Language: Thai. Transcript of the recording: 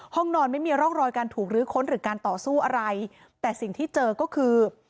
ห้องนอนไม่มีร่องรอยการถูกลื้อค้นหรือการต่อสู้อะไรแต่สิ่งที่เจอก็คือ